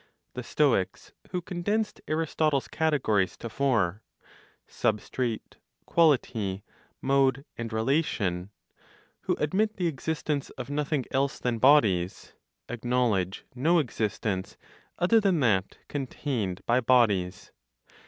(The Stoics, who condensed Aristotle's categories to four, substrate, quality mode and relation), who admit the existence of nothing else than bodies, acknowledge no existence other than that contained by bodies.